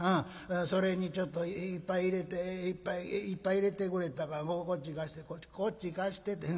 それにちょっと一杯入れて一杯一杯入れてくれたらこっち貸してこっちこっち貸してって。